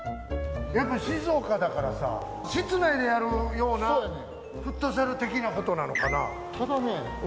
やっぱ静岡だからさ室内でやるようなフットサル的なことなのかなただね